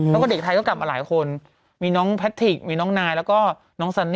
แล้วก็เด็กไทยก็กลับมาหลายคนมีน้องแพทิกมีน้องนายแล้วก็น้องซัน